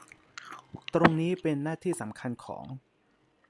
ตรงนี้เป็นหน้าที่สำคัญของ